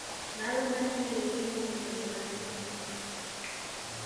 Yalondamu emmere esinga omugaso n'agiziika.